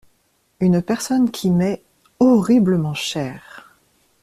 Une personne qui m'est … horriblement chère.